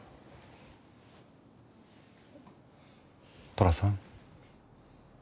寅さん。